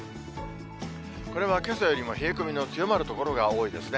これはけさよりも冷え込みの強まる所が多いですね。